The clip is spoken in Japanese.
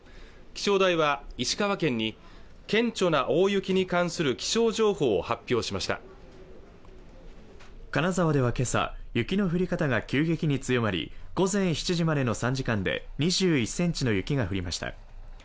気象台は石川県に顕著な大雪に関する気象情報を発表しました金沢ではけさ雪の降り方が急激に強まり午前７時までの３時間で２１センチの雪が降りました